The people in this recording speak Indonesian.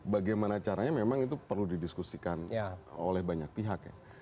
bagaimana caranya memang itu perlu didiskusikan oleh banyak pihak ya